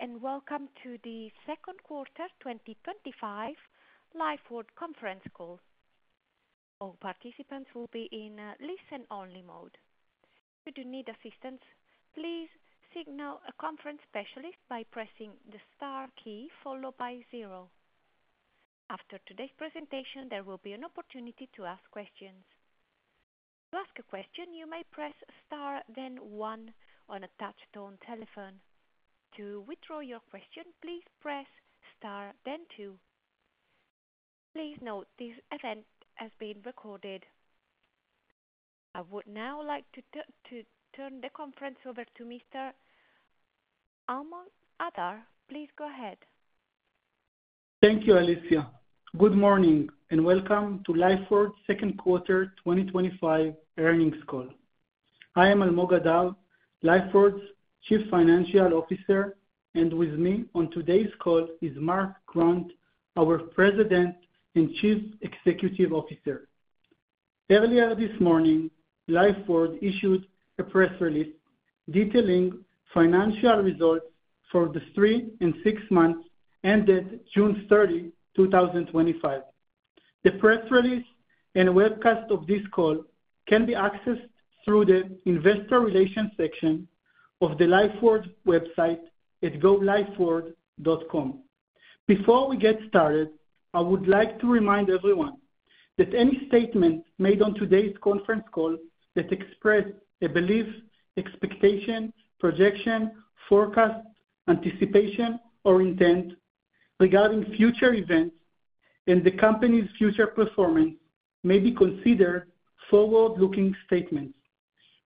Today, and welcome to the Second Quarter 2025 Lifeward Conference Call. All participants will be in listen-only mode. If you do need assistance, please signal a conference specialist by pressing the star key followed by zero. After today's presentation, there will be an opportunity to ask questions. To ask a question, you may press star, then one on a touch-tone telephone. To withdraw your question, please press star, then two. Please note this event has been recorded. I would now like to turn the conference over to Mr. Almog Adar. Please go ahead. Thank you, Alicia. Good morning and welcome to Lifeward's Second Quarter 2025 Earnings Call. I am Almog Adar, Lifeward's Chief Financial Officer, and with me on today's call is Mark Grant, our President and Chief Executive Officer. Earlier this morning, Lifeward issued a press release detailing financial results for the three and six months ended June 30, 2025. The press release and webcast of this call can be accessed through the Investor Relations section of the Lifeward website at golifeward.com. Before we get started, I would like to remind everyone that any statement made on today's conference call that expresses a belief, expectation, projection, forecast, anticipation, or intent regarding future events and the company's future performance may be considered a forward-looking statement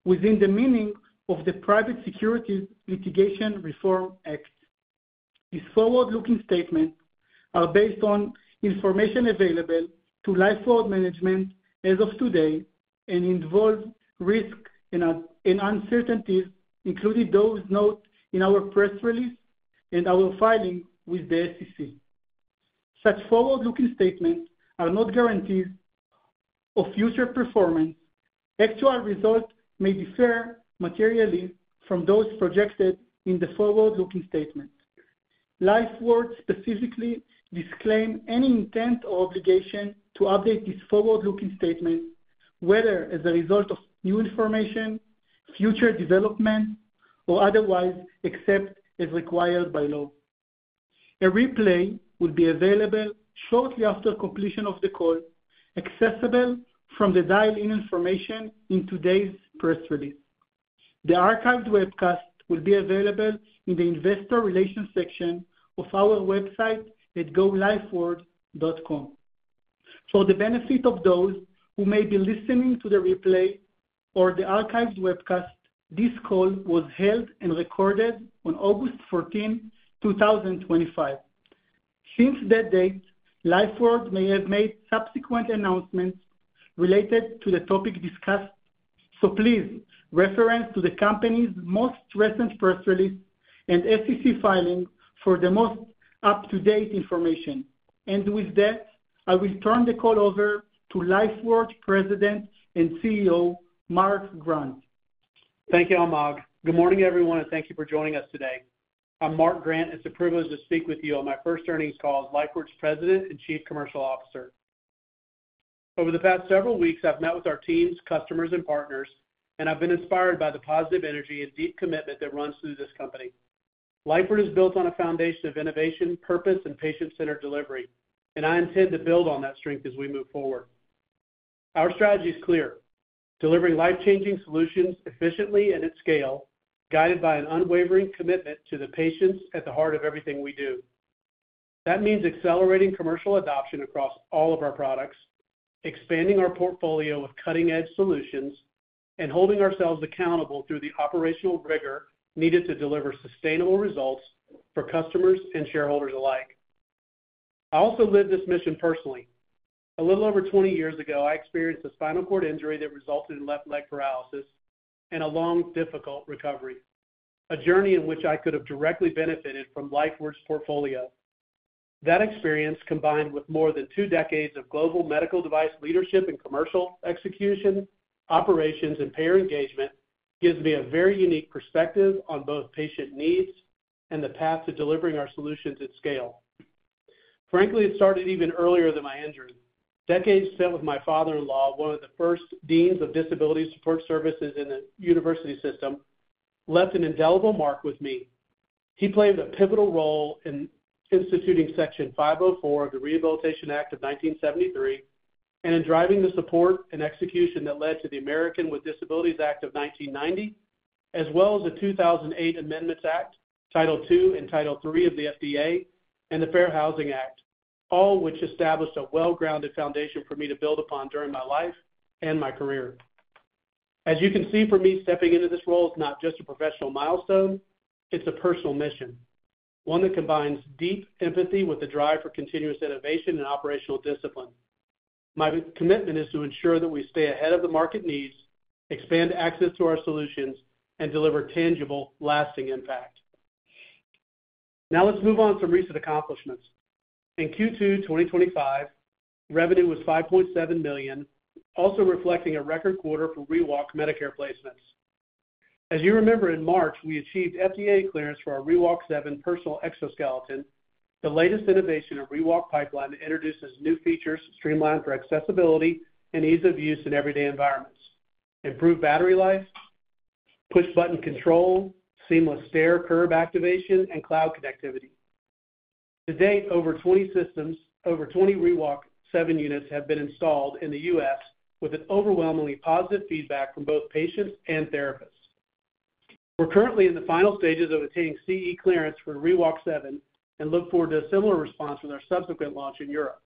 within the meaning of the Private Securities Litigation Reform Act. These forward-looking statements are based on information available to Lifeward management as of today and involve risks and uncertainties, including those noted in our press release and our filing with the SEC. Such forward-looking statements are not guarantees of future performance. Actual results may differ materially from those projected in the forward-looking statement. Lifeward specifically disclaims any intent or obligation to update this forward-looking statement, whether as a result of new information, future development, or otherwise except as required by law. A replay will be available shortly after the completion of the call, accessible from the dial-in information in today's press release. The archived webcast will be available in the Investor Relations section of our website at golifeward.com. For the benefit of those who may be listening to the replay or the archived webcast, this call was held and recorded on August 14, 2025. Since that date, Lifeward may have made subsequent announcements related to the topic discussed, please reference the company's most recent press release and SEC filings for the most up-to-date information. With that, I will turn the call over to Lifeward's President and CEO, Mark Grant. Thank you, Almog. Good morning, everyone, and thank you for joining us today. I'm Mark Grant. It's a privilege to speak with you on my first earnings call as Lifeward's President and Chief Commercial Officer. Over the past several weeks, I've met with our teams, customers, and partners, and I've been inspired by the positive energy and deep commitment that runs through this company. Lifeward is built on a foundation of innovation, purpose, and patient-centered delivery, and I intend to build on that strength as we move forward. Our strategy is clear: delivering life-changing solutions efficiently and at scale, guided by an unwavering commitment to the patients at the heart of everything we do. That means accelerating commercial adoption across all of our products, expanding our portfolio with cutting-edge solutions, and holding ourselves accountable through the operational rigor needed to deliver sustainable results for customers and shareholders alike. I also live this mission personally. A little over 20 years ago, I experienced a spinal cord injury that resulted in left leg paralysis and a long, difficult recovery, a journey in which I could have directly benefited from Lifeward's portfolio. That experience, combined with more than two decades of global medical device leadership and commercial execution, operations, and payer engagement, gives me a very unique perspective on both patient needs and the path to delivering our solutions at scale. Frankly, it started even earlier than my injury. Decades spent with my father-in-law, one of the first deans of disability support services in the university system, left an indelible mark with me. He played a pivotal role in instituting Section 504 of the Rehabilitation Act of 1973 and in driving the support and execution that led to the Americans with Disabilities Act of 1990, as well as the 2008 Amendments Act, Title II and Title III of the FDA, and the Fair Housing Act, all of which established a well-grounded foundation for me to build upon during my life and my career. As you can see from me stepping into this role, it's not just a professional milestone. It's a personal mission, one that combines deep empathy with the drive for continuous innovation and operational discipline. My commitment is to ensure that we stay ahead of the market needs, expand access to our solutions, and deliver tangible, lasting impact. Now let's move on to some recent accomplishments. In Q2 2025, revenue was $5.7 million, also reflecting a record quarter for ReWalk Medicare placements. As you remember, in March, we achieved FDA clearance for our ReWalk 7 Personal Exoskeleton, the latest innovation in the ReWalk pipeline that introduces new features streamlined for accessibility and ease of use in everyday environments. Improved battery life, push button control, seamless stair curb activation, and cloud connectivity. To date, over 20 systems, over 20 ReWalk 7 units have been installed in the U.S., with overwhelmingly positive feedback from both patients and therapists. We're currently in the final stages of attaining CE clearance for ReWalk 7 and look forward to a similar response with our subsequent launch in Europe.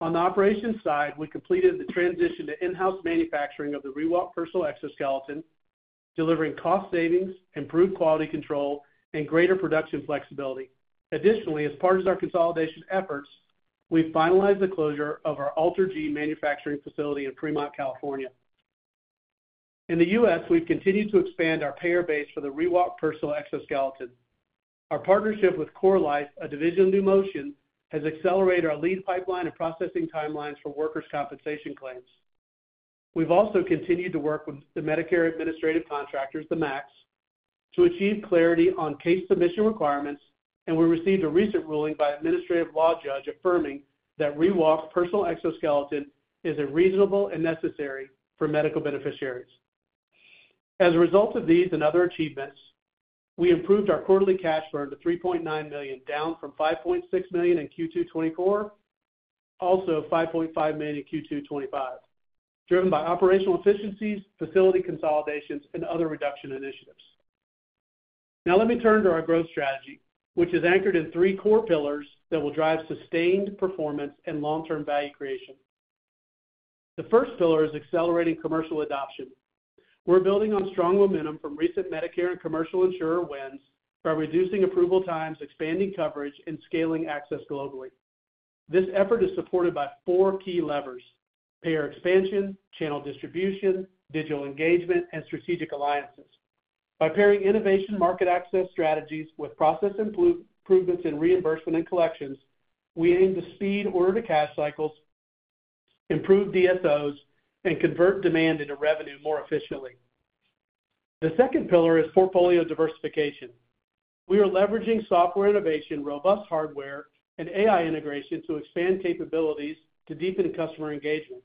On the operations side, we completed the transition to in-house manufacturing of the ReWalk Personal Exoskeleton, delivering cost savings, improved quality control, and greater production flexibility. Additionally, as part of our consolidation efforts, we've finalized the closure of our AlterG manufacturing facility in Fremont, California. In the U.S., we've continued to expand our payer base for the ReWalk Personal Exoskeleton. Our partnership with CoreLife, a division of NuMotion, has accelerated our lead pipeline and processing timelines for workers' compensation plans. We've also continued to work with the Medicare Administrative Contractors, the MACs, to achieve clarity on case submission requirements, and we received a recent ruling by an administrative law judge affirming that ReWalk Personal Exoskeleton is reasonable and necessary for medical beneficiaries. As a result of these and other achievements, we improved our quarterly cash flow to $3.9 million, down from $5.6 million in Q2 2024, also $5.5 million in Q2 2025, driven by operational efficiencies, facility consolidations, and other reduction initiatives. Now let me turn to our growth strategy, which is anchored in three core pillars that will drive sustained performance and long-term value creation. The first pillar is accelerating commercial adoption. We're building on strong momentum from recent Medicare and commercial insurer wins by reducing approval times, expanding coverage, and scaling access globally. This effort is supported by four key levers: payer expansion, channel distribution, digital engagement, and strategic alliances. By pairing innovation market access strategies with process improvements in reimbursement and collections, we aim to speed order-to-cash cycles, improve DSOs, and convert demand into revenue more efficiently. The second pillar is portfolio diversification. We are leveraging software innovation, robust hardware, and AI integration to expand capabilities to deepen customer engagement.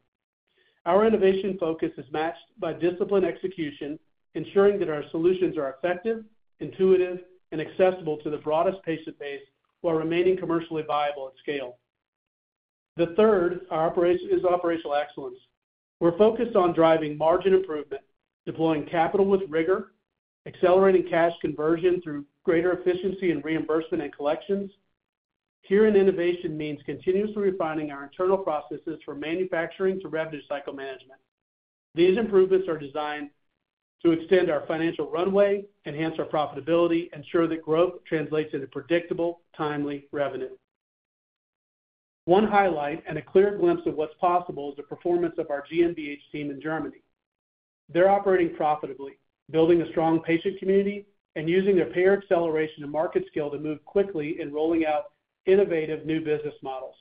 Our innovation focus is matched by disciplined execution, ensuring that our solutions are effective, intuitive, and accessible to the broadest patient base while remaining commercially viable at scale. The third is operational excellence. We're focused on driving margin improvement, deploying capital with rigor, accelerating cash conversion through greater efficiency in reimbursement and collections. Here, innovation means continuously refining our internal processes from manufacturing to revenue cycle management. These improvements are designed to extend our financial runway, enhance our profitability, and ensure that growth translates into predictable, timely revenue. One highlight and a clear glimpse of what's possible is the performance of our GmbH team in Germany. They're operating profitably, building a strong patient community, and using their payer acceleration and market skill to move quickly in rolling out innovative new business models.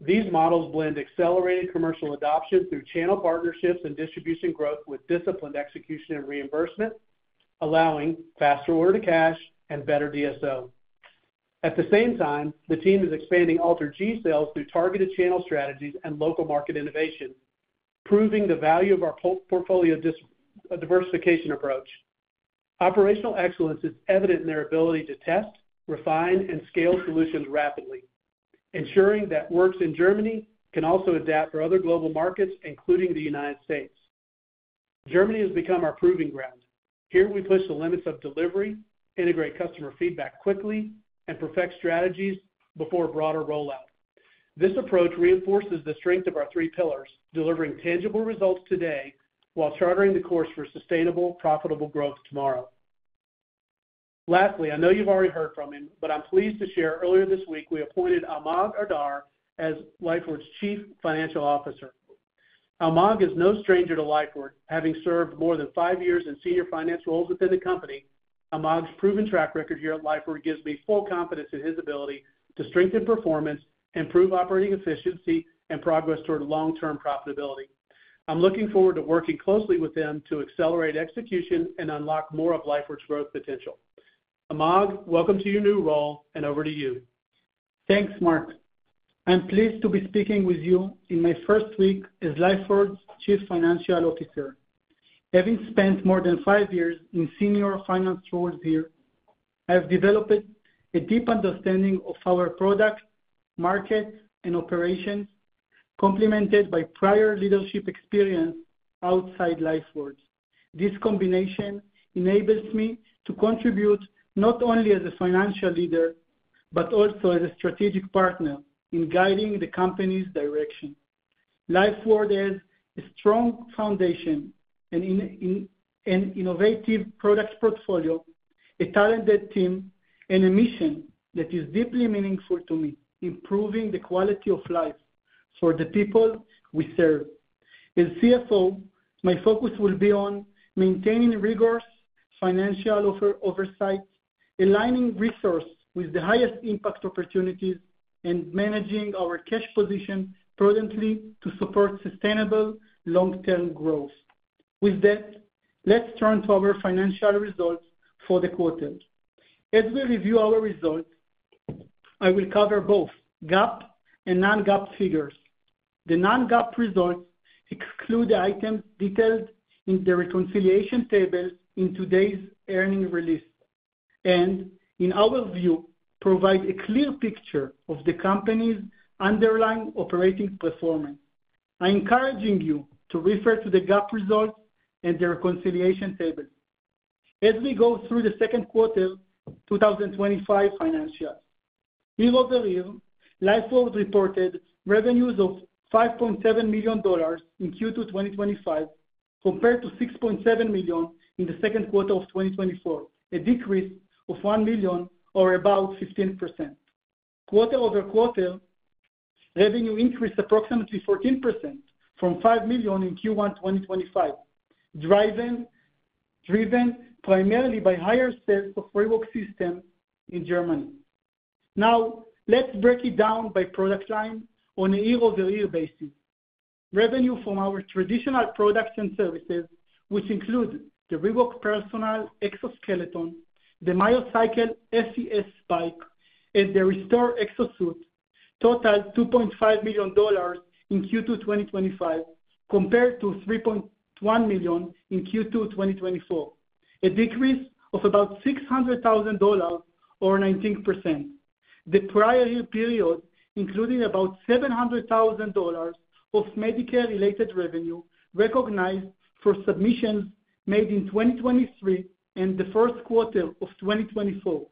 These models blend accelerated commercial adoption through channel partnerships and distribution growth with disciplined execution and reimbursement, allowing faster order-to-cash and better DSO. At the same time, the team is expanding AlterG sales through targeted channel strategies and local market innovation, proving the value of our portfolio diversification approach. Operational excellence is evident in their ability to test, refine, and scale solutions rapidly, ensuring that what works in Germany can also adapt for other global markets, including the U.S. Germany has become our proving ground. Here, we push the limits of delivery, integrate customer feedback quickly, and perfect strategies before broader rollout. This approach reinforces the strength of our three pillars, delivering tangible results today while charting the course for sustainable, profitable growth tomorrow. Lastly, I know you've already heard from him, but I'm pleased to share earlier this week we appointed Almog Adar as Lifeward's Chief Financial Officer. Almog is no stranger to Lifeward. Having served more than five years in senior finance roles within the company, Almog's proven track record here at Lifeward gives me full confidence in his ability to strengthen performance, improve operating efficiency, and progress toward long-term profitability. I'm looking forward to working closely with him to accelerate execution and unlock more of Lifeward's growth potential. Almog, welcome to your new role and over to you. Thanks, Mark. I'm pleased to be speaking with you in my first week as Lifeward's Chief Financial Officer. Having spent more than five years in senior finance roles here, I've developed a deep understanding of our product, market, and operations, complemented by prior leadership experience outside Lifeward. This combination enables me to contribute not only as a financial leader but also as a strategic partner in guiding the company's direction. Lifeward has a strong foundation, an innovative product portfolio, a talented team, and a mission that is deeply meaningful to me: improving the quality of life for the people we serve. As CFO, my focus will be on maintaining rigorous financial oversight, aligning resources with the highest impact opportunities, and managing our cash position prudently to support sustainable long-term growth. With that, let's turn to our financial results for the quarter. As we review our results, I will cover both GAAP and non-GAAP figures. The non-GAAP results exclude the items detailed in the reconciliation table in today's earnings release, and in our view, provide a clear picture of the company's underlying operating performance. I'm encouraging you to refer to the GAAP results and the reconciliation table. As we go through the second quarter 2025 financials, year over year, Lifeward reported revenues of $5.7 million in Q2 2025 compared to $6.7 million in the second quarter of 2024, a decrease of $1 million or about 15%. Quarter-over-quarter, revenue increased approximately 14% from $5 million in Q1 2025, driven primarily by higher sales of ReWalk systems in Germany. Now, let's break it down by product line on a year-over-year basis. Revenue from our traditional products and services, which include the ReWalk Personal Exoskeleton, the MyoCycle FES System, and the ReStore Exo-Suit, totaled $2.5 million in Q2 2025 compared to $3.1 million in Q2 2024, a decrease of about $600,000 or 19%. The prior year period included about $700,000 of Medicare-related revenue recognized for submissions made in 2023 and the first quarter of 2024.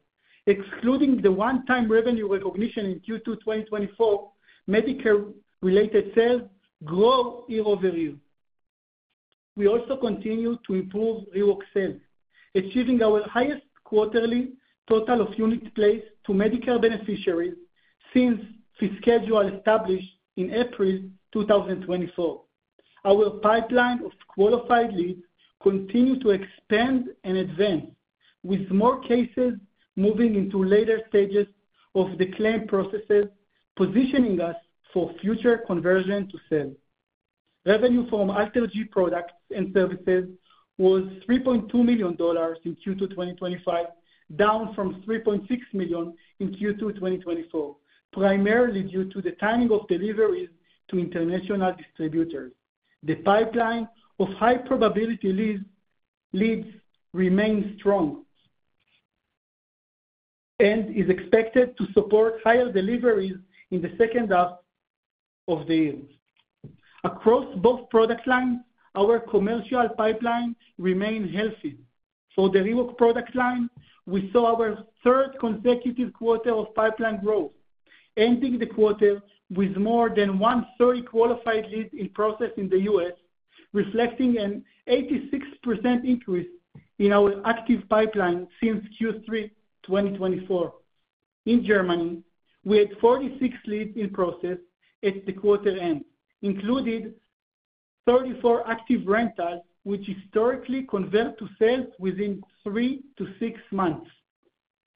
Excluding the one-time revenue recognition in Q2 2024, Medicare-related sales grow year-over-year. We also continue to improve ReWalk sales, achieving our highest quarterly total of units placed to Medicare beneficiaries since its schedule established in April 2024. Our pipeline of qualified leads continues to expand and advance, with more cases moving into later stages of the claim process, positioning us for future conversion to sales. Revenue from AlterG products and services was $3.2 million in Q2 2025, down from $3.6 million in Q2 2024, primarily due to the timing of deliveries to international distributors. The pipeline of high-probability leads remains strong and is expected to support higher deliveries in the second half of the year. Across both product lines, our commercial pipelines remain healthy. For the ReWalk product line, we saw our third consecutive quarter of pipeline growth, ending the quarter with more than one-third qualified leads in process in the U.S., reflecting an 86% increase in our active pipeline since Q3 2024. In Germany, we had 46 leads in process at the quarter end, including 34 active rentals, which historically convert to sales within 3-6 months.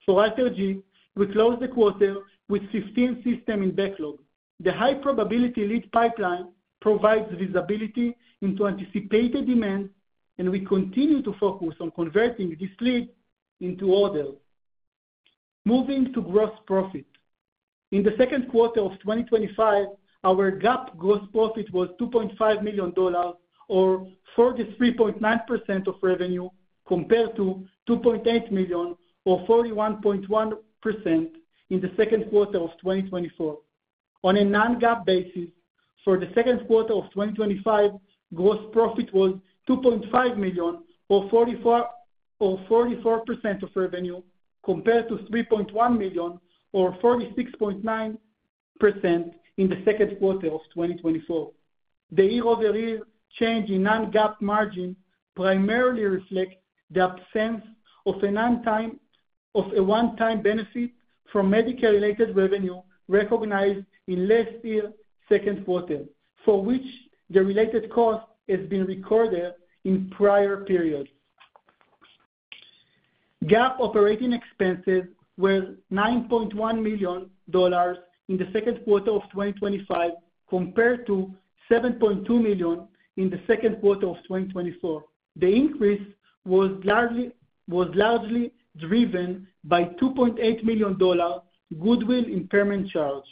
For AlterG, we closed the quarter with 15 systems in backlog. The high-probability lead pipeline provides visibility into anticipated demand, and we continue to focus on converting these leads into orders. Moving to gross profit, in the second quarter of 2025, our GAAP gross profit was $2.5 million, or 43.9% of revenue, compared to $2.8 million, or 41.1% in the second quarter of 2024. On a non-GAAP basis, for the second quarter of 2025, gross profit was $2.5 million, or 44% of revenue, compared to $3.1 million, or 46.9% in the second quarter of 2024. The year-over-year change in non-GAAP margin primarily reflects the absence of a one-time benefit from Medicare-related revenue recognized in last year's second quarter, for which the related cost has been recorded in prior periods. GAAP operating expenses were $9.1 million in the second quarter of 2025, compared to $7.2 million in the second quarter of 2024. The increase was largely driven by a $2.8 million goodwill impairment charge,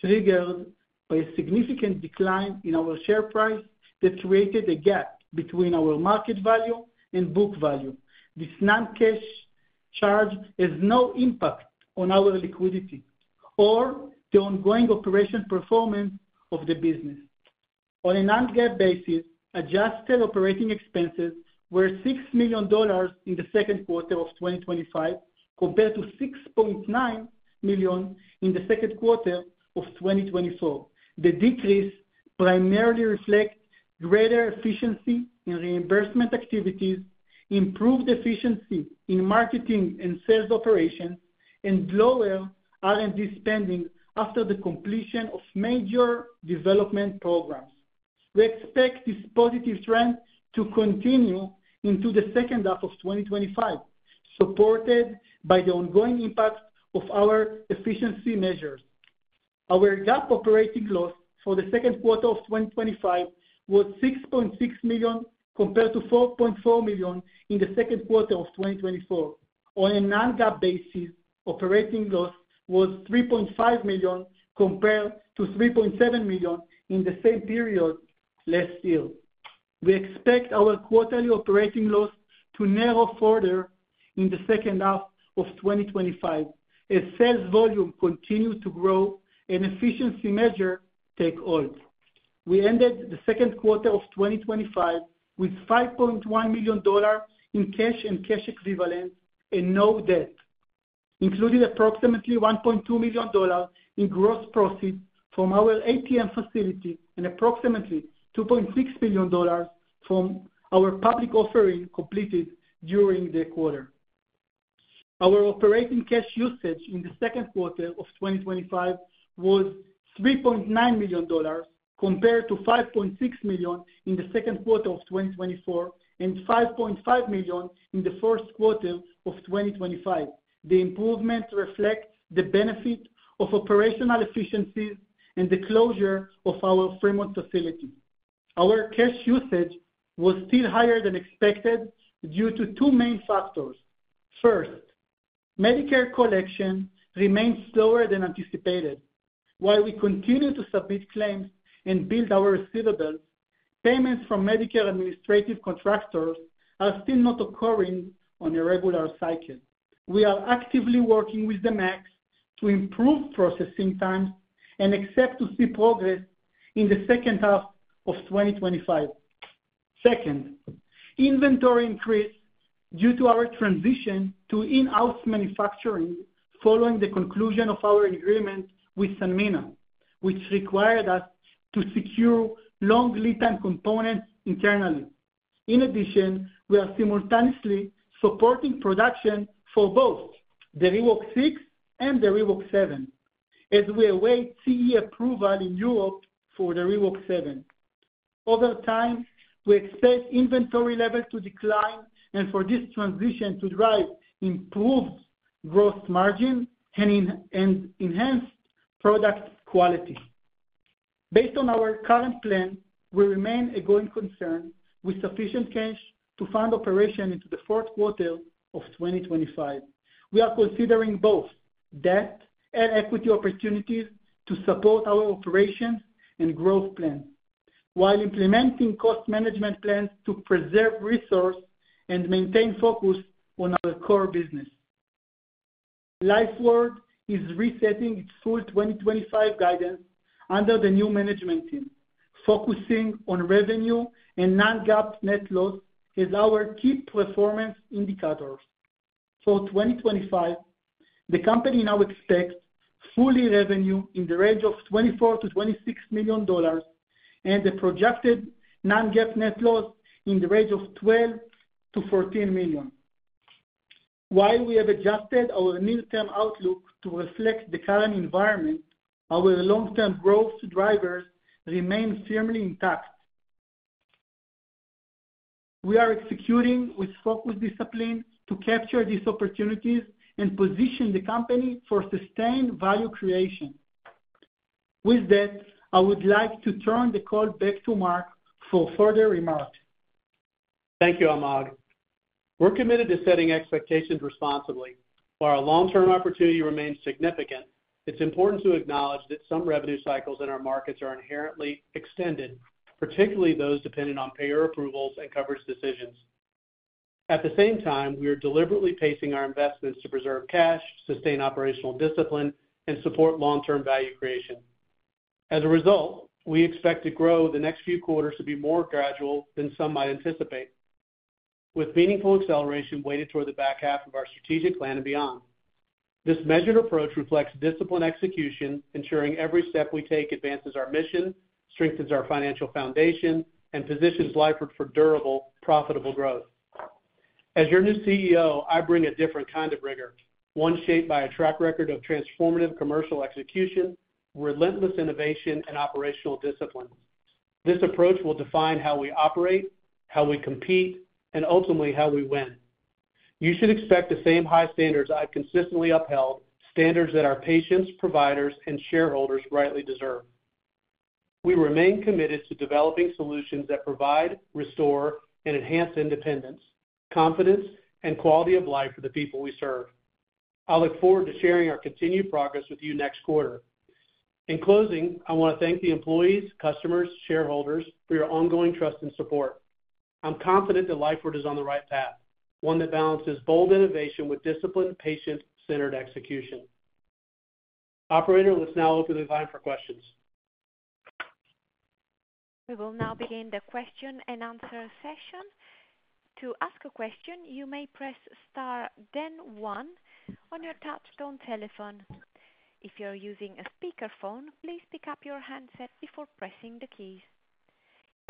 triggered by a significant decline in our share price that created a gap between our market value and book value. This non-cash charge has no impact on our liquidity or the ongoing operational performance of the business. On a non-GAAP basis, adjusted operating expenses were $6 million in the second quarter of 2025, compared to $6.9 million in the second quarter of 2024. The decrease primarily reflects greater efficiency in reimbursement activities, improved efficiency in marketing and sales operations, and lower R&D spending after the completion of major development programs. We expect this positive trend to continue into the second half of 2025, supported by the ongoing impact of our efficiency measures. Our GAAP operating loss for the second quarter of 2025 was $6.6 million, compared to $4.4 million in the second quarter of 2024. On a non-GAAP basis, operating loss was $3.5 million, compared to $3.7 million in the same period last year. We expect our quarterly operating loss to narrow further in the second half of 2025 as sales volume continues to grow and efficiency measures take hold. We ended the second quarter of 2025 with $5.1 million in cash and cash equivalents and no debt, including approximately $1.2 million in gross profit from our ATM facility and approximately $2.6 million from our public offering completed during the quarter. Our operating cash usage in the second quarter of 2025 was $3.9 million, compared to $5.6 million in the second quarter of 2024 and $5.5 million in the first quarter of 2025. The improvements reflect the benefit of operational efficiencies and the closure of our Fremont facility. Our cash usage was still higher than expected due to two main factors. First, Medicare collection remains slower than anticipated. While we continue to submit claims and build our receivables, payments from Medicare Administrative Contractors are still not occurring on a regular cycle. We are actively working with the MACs to improve processing times and expect to see progress in the second half of 2025. Second, inventory increased due to our transition to in-house manufacturing following the conclusion of our agreement with Sanmina, which required us to secure long lead-time components internally. In addition, we are simultaneously supporting production for both the ReWalk 6 and the ReWalk 7, as we await CE approval in Europe for the ReWalk 7. Over time, we expect inventory levels to decline and for this transition to drive improved gross margin and enhanced product quality. Based on our current plan, we remain a going concern with sufficient cash to fund operations into the fourth quarter of 2025. We are considering both debt and equity opportunities to support our operations and growth plans while implementing cost management plans to preserve resources and maintain focus on our core business. Lifeward is resetting its full 2025 guidance under the new management team, focusing on revenue and non-GAAP net loss as our key performance indicators. For 2025, the company now expects full revenue in the range of $24 milion-$26 million and a projected non-GAAP net loss in the range of $12 million-$14 million. While we have adjusted our near-term outlook to reflect the current environment, our long-term growth drivers remain firmly intact. We are executing with focused discipline to capture these opportunities and position the company for sustained value creation. With that, I would like to turn the call back to Mark for further remarks. Thank you, Almog. We're committed to setting expectations responsibly. While our long-term opportunity remains significant, it's important to acknowledge that some revenue cycles in our markets are inherently extended, particularly those dependent on payer approvals and coverage decisions. At the same time, we are deliberately pacing our investments to preserve cash, sustain operational discipline, and support long-term value creation. As a result, we expect growth in the next few quarters to be more gradual than some might anticipate, with meaningful acceleration weighted toward the back half of our strategic plan and beyond. This measured approach reflects disciplined execution, ensuring every step we take advances our mission, strengthens our financial foundation, and positions Lifeward for durable, profitable growth. As your new CEO, I bring a different kind of rigor, one shaped by a track record of transformative commercial execution, relentless innovation, and operational discipline. This approach will define how we operate, how we compete, and ultimately how we win. You should expect the same high standards I've consistently upheld, standards that our patients, providers, and shareholders rightly deserve. We remain committed to developing solutions that provide, restore, and enhance independence, confidence, and quality of life for the people we serve. I look forward to sharing our continued progress with you next quarter. In closing, I want to thank the employees, customers, and shareholders for your ongoing trust and support. I'm confident that Lifeward is on the right path, one that balances bold innovation with disciplined, patient-centered execution. Operator, let's now open the line for questions. We will now begin the question and answer session. To ask a question, you may press star, then one, on your touch-tone telephone. If you're using a speakerphone, please pick up your handset before pressing the keys.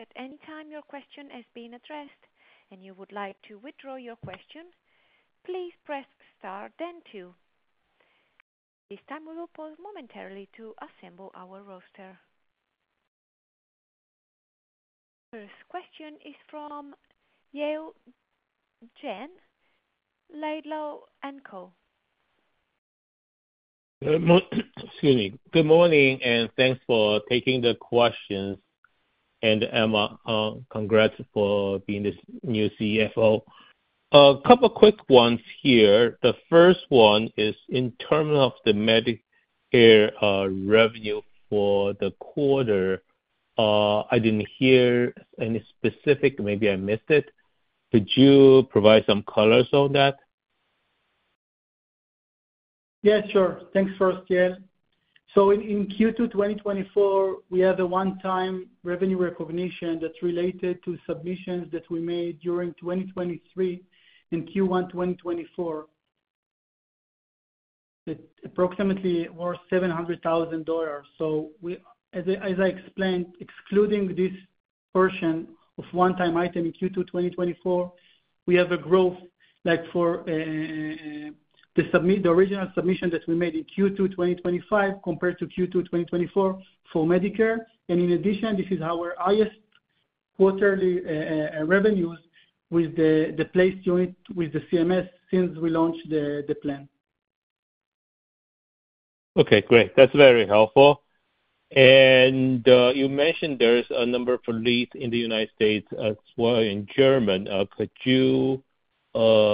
At any time your question has been addressed and you would like to withdraw your question, please press star, then two. At this time, we will pause momentarily to assemble our roster. First question is from Yale Jen, Laidlaw & company. Excuse me. Good morning and thanks for taking the questions. Congratulations for being this new CFO. A couple of quick ones here. The first one is in terms of the Medicare revenue for the quarter. I didn't hear any specific. Maybe I missed it. Could you provide some colors on that? Yeah, sure. Thanks, first, Yale. In Q2 2024, we had the one-time revenue recognition that's related to submissions that we made during 2023 and Q1 2024, approximately more $700,000. As I explained, excluding this portion of one-time item in Q2 2024, we have a growth like for the original submission that we made in Q2 2025 compared to Q2 2024 for Medicare. In addition, this is our highest quarterly revenues with the placed unit with the CMS since we launched the plan. Okay, great. That's very helpful. You mentioned there's a number of leads in the United States as well in Germany. Could you clarify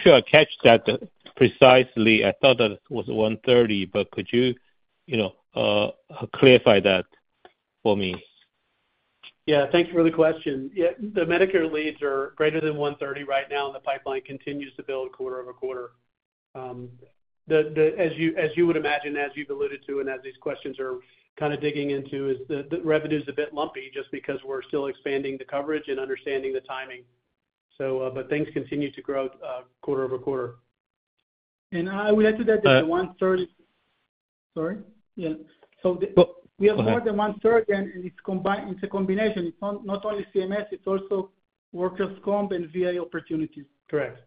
that for me? I thought that it was $130,000 but could you clarify that for me? Thank you for the question. The Medicare leads are greater than $130,000 right now, and the pipeline continues to build quarter-over-quarter. As you would imagine, as you've alluded to and as these questions are kind of digging into, the revenue is a bit lumpy just because we're still expanding the coverage and understanding the timing. Things continue to grow quarter over quarter. I would add to that the $130,000. Yeah. We have more than $130,000 and it's a combination. It's not only CMS, it's also Workers' Comp and VA opportunities. Correct.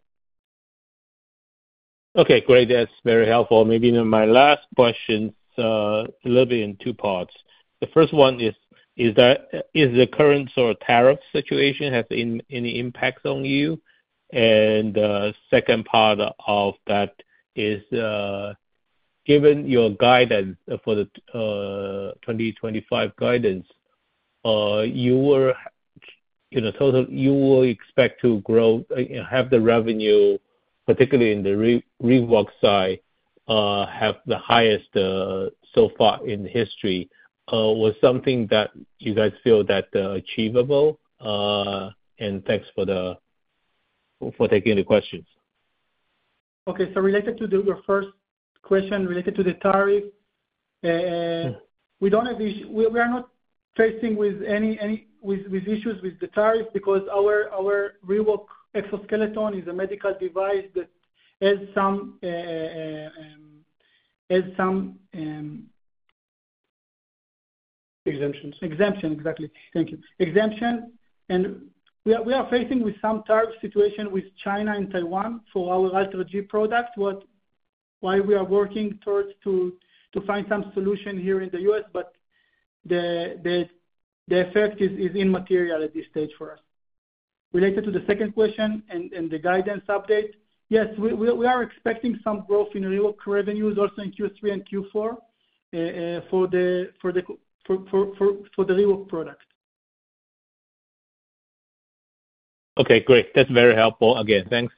Okay, great. That's very helpful. Maybe my last question is a little bit in two parts. The first one is, is the current sort of tariff situation has any impact on you? The second part of that is, given your guidance for the 2025 guidance, you will expect to grow and have the revenue, particularly in the ReWalk side, have the highest so far in history. Was something that you guys feel that achievable? Thanks for taking the questions. Okay. Related to your first question related to the tariff, we are not facing any issues with the tariff because our ReWalk Exoskeleton is a medical device that has some— Exemptions. Exemption, exactly. Thank you. Exemption. We are facing some tariff situations with China and Taiwan for our AlterG products, and we are working towards finding some solution here in the U.S. The effect is immaterial at this stage for us. Related to the second question and the guidance update, yes, we are expecting some growth in ReWalk revenues also in Q3 and Q4 for the ReWalk product. Okay, great. That's very helpful. Again, thanks.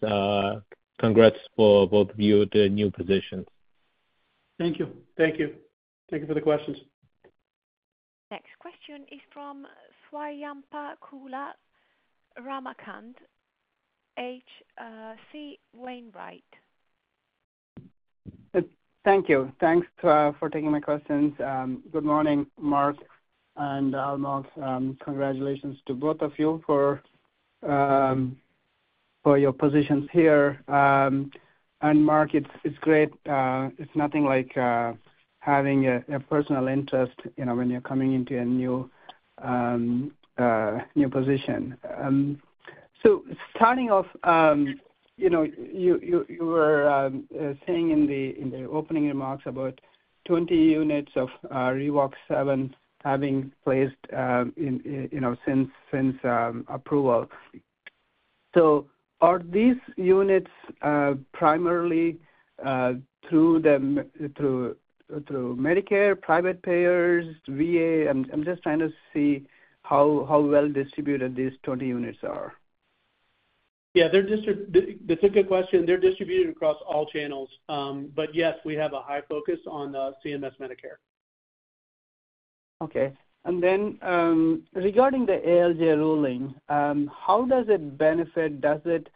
Congrats to both of you on the new position. Thank you. Thank you. Thank you for the questions. Next question is from Swayampakula Ramakanth, H.C. Wainwright & Co. Thank you. Thanks for taking my questions. Good morning, Mark and Almog. Congratulations to both of you for your positions here. Mark, it's great. It's nothing like having a personal interest when you're coming into a new position. Starting off, you were saying in the opening remarks about 20 units of ReWalk 7 having placed since approval. Are these units primarily through Medicare, private payers, VA? I'm just trying to see how well distributed these 20 units are. Yeah, that's a good question. They're distributed across all channels. Yes, we have a high focus on the CMS Medicare. Okay. Regarding the ALJ ruling, how does it benefit? Does it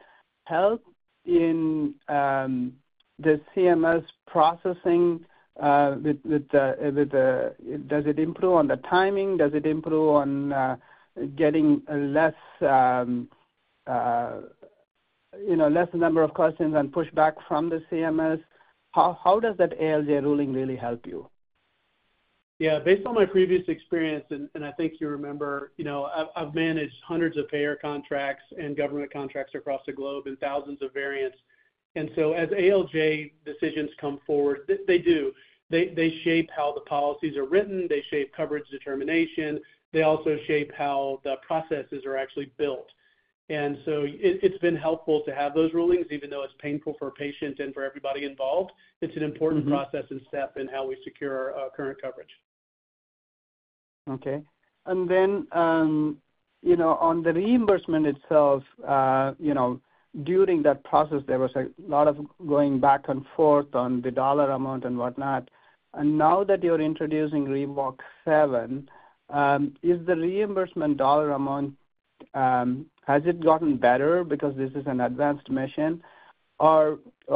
help in the CMS processing? Does it improve on the timing? Does it improve on getting less number of questions and pushback from the CMS? How does that ALJ ruling really help you? Based on my previous experience, and I think you remember, you know I've managed hundreds of payer contracts and government contracts across the globe in thousands of variants. As ALJ decisions come forward, they do. They shape how the policies are written, they shape coverage determination, and they also shape how the processes are actually built. It's been helpful to have those rulings, even though it's painful for a patient and for everybody involved. It's an important process and step in how we secure our current coverage. Okay. On the reimbursement itself, during that process, there was a lot of going back and forth on the dollar amount and whatnot. Now that you're introducing ReWalk 7, is the reimbursement dollar amount, has it gotten better because this is an advanced mission, or you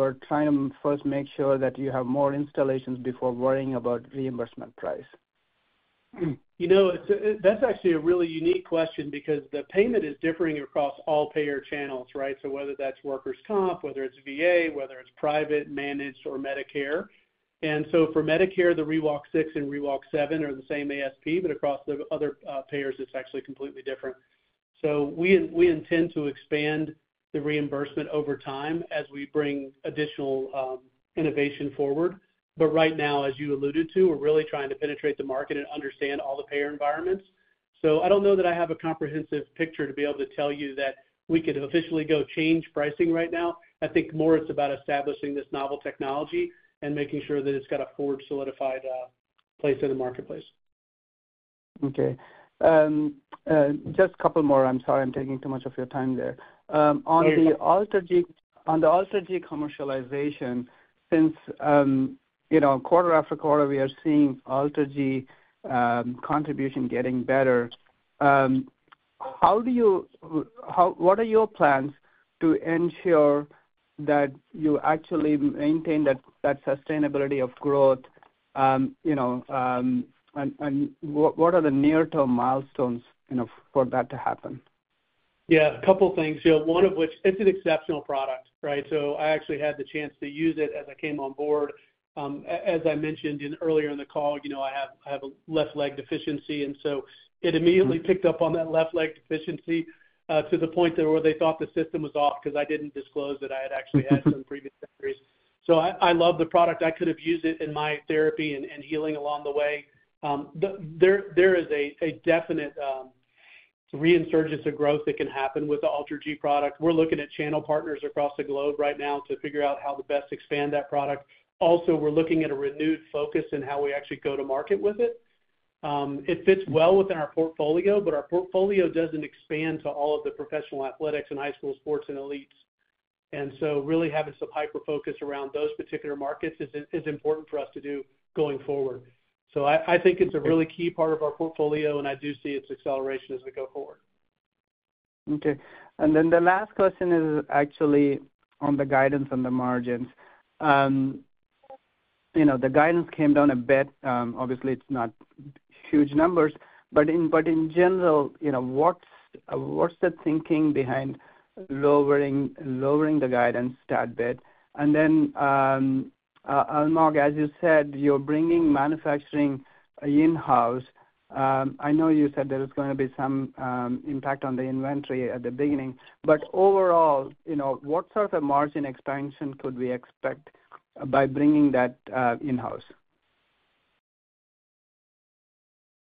are trying to first make sure that you have more installations before worrying about reimbursement price? That's actually a really unique question because the payment is differing across all payer channels, right? Whether that's Workers' Comp, whether it's VA, whether it's private managed or Medicare. For Medicare, the ReWalk 6 and ReWalk 7 are the same ASP, but across the other payers, it's actually completely different. We intend to expand the reimbursement over time as we bring additional innovation forward. Right now, as you alluded to, we're really trying to penetrate the market and understand all the payer environments. I don't know that I have a comprehensive picture to be able to tell you that we could officially go change pricing right now. I think more it's about establishing this novel technology and making sure that it's got a forge-solidified place in the marketplace. Okay. Just a couple more. I'm sorry I'm taking too much of your time there. On the AlterG commercialization, since you know quarter after quarter, we are seeing AlterG contribution getting better, what are your plans to ensure that you actually maintain that sustainability of growth? What are the near-term milestones for that to happen? Yeah, a couple of things. One of which, it's an exceptional product, right? I actually had the chance to use it as I came on board. As I mentioned earlier in the call, I have a left leg deficiency, and it immediately picked up on that left leg deficiency to the point where they thought the system was off because I didn't disclose that I had actually had some previous injuries. I love the product. I could have used it in my therapy and healing along the way. There is a definite reinsurgence of growth that can happen with the AlterG product. We're looking at channel partners across the globe right now to figure out how to best expand that product. Also, we're looking at a renewed focus in how we actually go to market with it. It fits well within our portfolio, but our portfolio doesn't expand to all of the professional athletics and high school sports and elites. Really having some hyper-focus around those particular markets is important for us to do going forward. I think it's a really key part of our portfolio, and I do see its acceleration as we go forward. Okay. The last question is actually on the guidance and the margins. You know, the guidance came down a bit. Obviously, it's not huge numbers, but in general, you know what's the thinking behind lowering the guidance that bit? Almog, as you said, you're bringing manufacturing in-house. I know you said there was going to be some impact on the inventory at the beginning. Overall, you know what sort of margin expansion could we expect by bringing that in-house?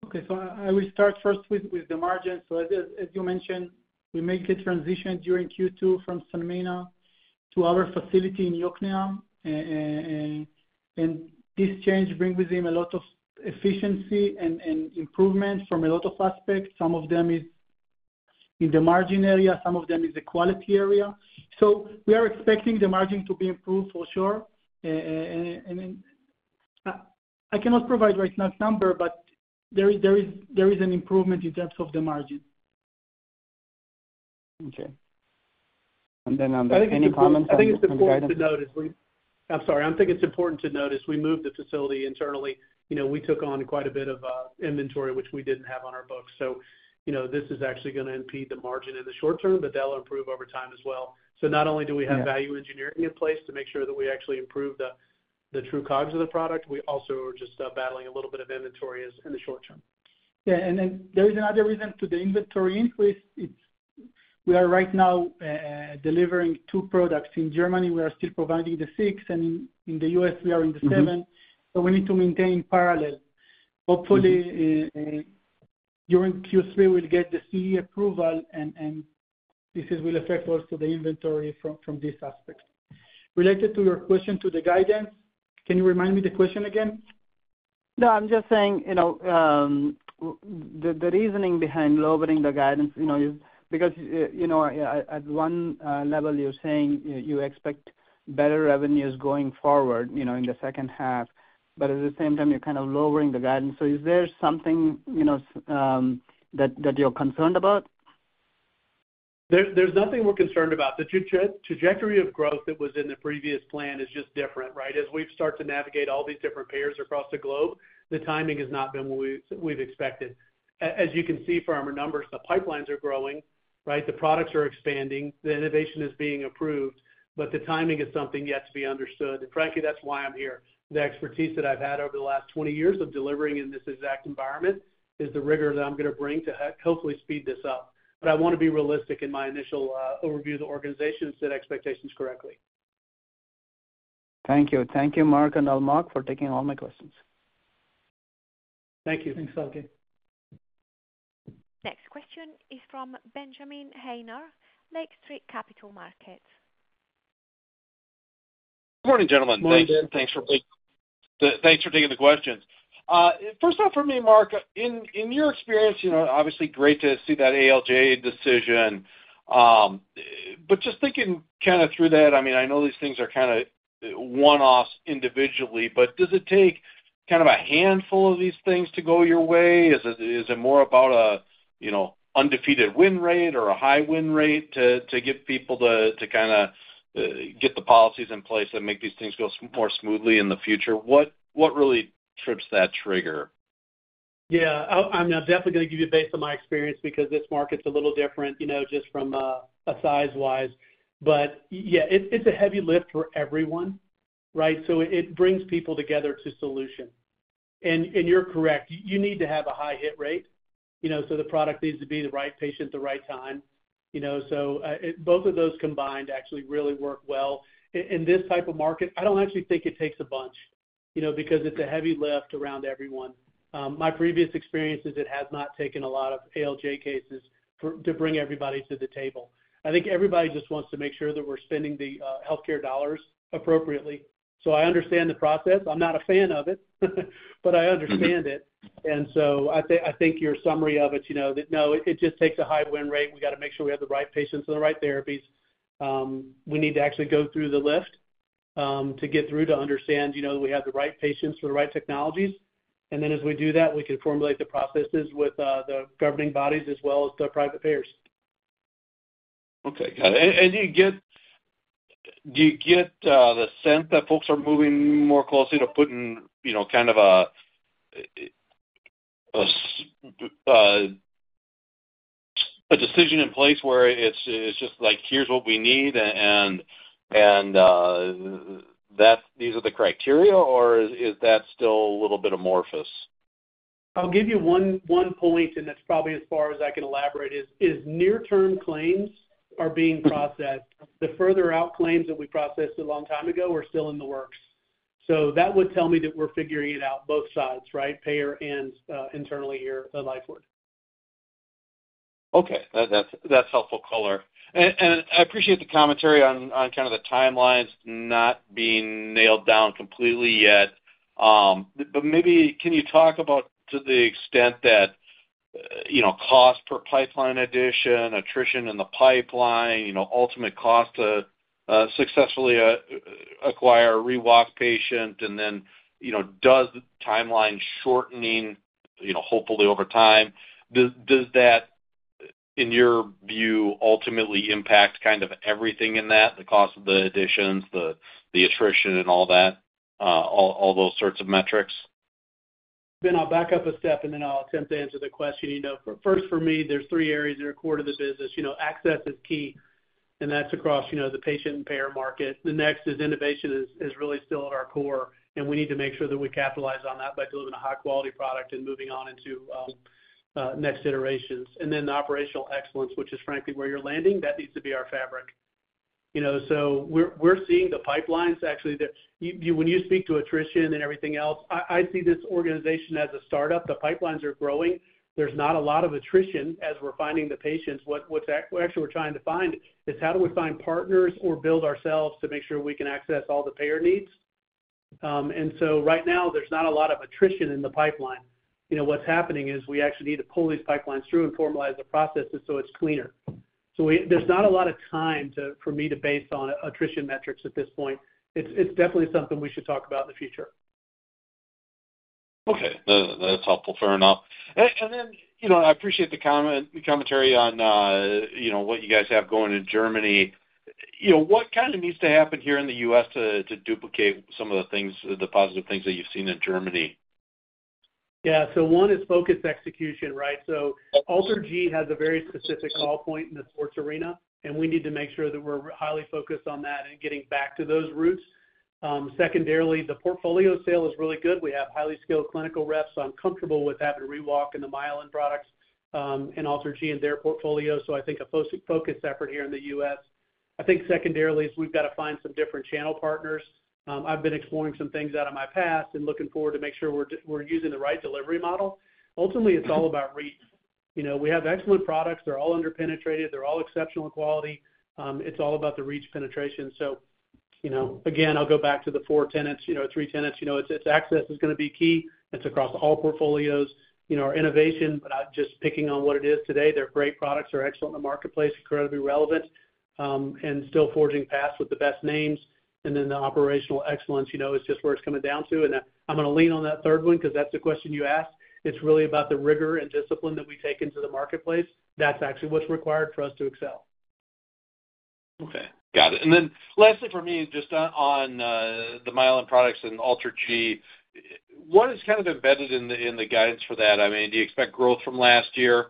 Okay. I will start first with the margins. As you mentioned, we made the transition during Q2 from Sanmina to our facility in Jokneham. This change brings with it a lot of efficiency and improvements from a lot of aspects. Some of them are in the margin area, some of them are in the quality area. We are expecting the margin to be improved for sure. I cannot provide right now a number, but there is an improvement in terms of the margin. Okay. Almog, any comments on the guidance? I think it's important to notice we moved the facility internally. We took on quite a bit of inventory, which we didn't have on our books. This is actually going to impede the margin in the short term, but that'll improve over time as well. Not only do we have value engineering in place to make sure that we actually improve the true COGS of the product, we also are just battling a little bit of inventory in the short term. There is another reason for the inventory increase. We are right now delivering two products. In Germany, we are still providing the six, and in the U.S., we are in the seven. We need to maintain parallel. Hopefully, during Q3, we'll get the CE approval, and this will affect also the inventory from this aspect. Related to your question to the guidance, can you remind me the question again? I'm just saying, you know, the reasoning behind lowering the guidance is because at one level, you're saying you expect better revenues going forward in the second half. At the same time, you're kind of lowering the guidance. Is there something that you're concerned about? There's nothing we're concerned about. The trajectory of growth that was in the previous plan is just different, right? As we've started to navigate all these different payers across the globe, the timing has not been what we've expected. As you can see from our numbers, the pipelines are growing, right? The products are expanding. The innovation is being approved. The timing is something yet to be understood. Frankly, that's why I'm here. The expertise that I've had over the last 20 years of delivering in this exact environment is the rigor that I'm going to bring to hopefully speed this up. I want to be realistic in my initial overview of the organization and set expectations correctly. Thank you. Thank you, Mark and Almog, for taking all my questions. Thank you. Thanks, Alger. Next question is from Benjamin Charles Haynor, Lake Street Capital Markets. Good morning, gentlemen. Thanks for taking the questions. First off, for me, Mark, in your experience, obviously great to see that ALJ decision. Just thinking through that, I know these things are kind of one-offs individually, but does it take a handful of these things to go your way? Is it more about an undefeated win rate or a high win rate to get people to get the policies in place that make these things go more smoothly in the future? What really trips that trigger? Yeah, I'm definitely going to give you based on my experience because this market's a little different, you know, just from a size-wise. It's a heavy lift for everyone, right? It brings people together to solution. You're correct. You need to have a high hit rate. The product needs to be the right patient at the right time. Both of those combined actually really work well. In this type of market, I don't actually think it takes a bunch because it's a heavy lift around everyone. My previous experience is it has not taken a lot of ALJ cases to bring everybody to the table. I think everybody just wants to make sure that we're spending the healthcare dollars appropriately. I understand the process. I'm not a fan of it, but I understand it. I think your summary of it, you know, that no, it just takes a high win rate. We got to make sure we have the right patients and the right therapies. We need to actually go through the lift to get through to understand, you know, that we have the right patients for the right technologies. As we do that, we can formulate the processes with the governing bodies as well as the private payers. Got it. Do you get the sense that folks are moving more closely to putting, you know, kind of a decision in place where it's just like, "Here's what we need," and these are the criteria, or is that still a little bit amorphous? I'll give you one point, and that's probably as far as I can elaborate. Near-term claims are being processed. The further out claims that we processed a long time ago are still in the works. That would tell me that we're figuring it out both sides, right, payer and internally here at Lifeward? Okay. That's a helpful color. I appreciate the commentary on kind of the timelines not being nailed down completely yet. Maybe can you talk about, to the extent that you know, cost per pipeline addition, attrition in the pipeline, ultimate cost to successfully acquire a ReWalk patient, and then, does the timeline shortening, hopefully over time, in your view, ultimately impact kind of everything in that, the cost of the additions, the attrition, and all that, all those sorts of metrics? I'll back up a step, and then I'll attempt to answer the question. First, for me, there's three areas that are core to the business. Access is key, and that's across the patient and payer market. The next is innovation is really still at our core, and we need to make sure that we capitalize on that by delivering a high-quality product and moving on into next iterations. Operational excellence, which is frankly where you're landing, needs to be our fabric. We're seeing the pipelines actually there. When you speak to attrition and everything else, I see this organization as a startup. The pipelines are growing. There's not a lot of attrition as we're finding the patients. What actually we're trying to find is how do we find partners or build ourselves to make sure we can access all the payer needs? Right now, there's not a lot of attrition in the pipeline. What's happening is we actually need to pull these pipelines through and formalize the processes so it's cleaner. There's not a lot of time for me to base on attrition metrics at this point. It's definitely something we should talk about in the future. Okay. That's helpful. Fair enough. I appreciate the commentary on what you guys have going in Germany. What kind of needs to happen here in the U.S. to duplicate some of the things, the positive things that you've seen in Germany? Yeah. One is focused execution, right? AlterG has a very specific call point in the sports arena, and we need to make sure that we're highly focused on that and getting back to those roots. Secondarily, the portfolio sale is really good. We have highly skilled clinical reps, so I'm comfortable with having ReWalk and the MyoCycle products and AlterG in their portfolio. I think a focused effort here in the U.S. I think secondarily we've got to find some different channel partners. I've been exploring some things out of my past and looking forward to make sure we're using the right delivery model. Ultimately, it's all about reach. We have excellent products. They're all underpenetrated. They're all exceptional in quality. It's all about the reach penetration. Again, I'll go back to the four tenets, you know, three tenets. It's access is going to be key. It's across all portfolios. Our innovation, but I'm just picking on what it is today. Their great products are excellent in the marketplace, incredibly relevant, and still forging paths with the best names. The operational excellence is just where it's coming down to. I'm going to lean on that third one because that's the question you asked. It's really about the rigor and discipline that we take into the marketplace. That's actually what's required for us to excel. Okay. Got it. Lastly, for me, just on the MyoCycle FES System products and AlterG, what is kind of embedded in the guidance for that? I mean, do you expect growth from last year?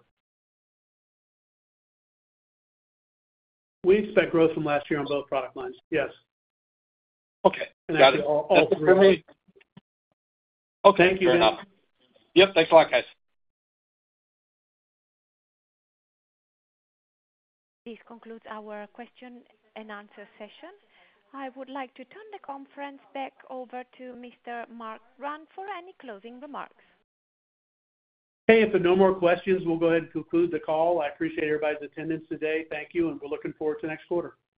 We expect growth from last year on both product lines, yes. I think all three. Okay. Thank you, man. Yep. Thanks a lot, guys. This concludes our question and answer session. I would like to turn the conference back over to Mr. Mark Grant for any closing remarks. If there are no more questions, we'll go ahead and conclude the call. I appreciate everybody's attendance today. Thank you, and we're looking forward to next quarter.